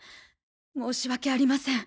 申し訳ありません。